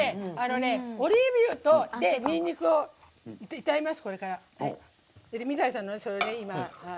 オリーブ油とにんにくを炒めます。